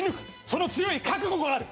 その強い覚悟がある！